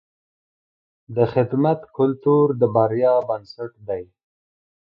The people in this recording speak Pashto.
د خدمت کلتور د بریا بنسټ دی.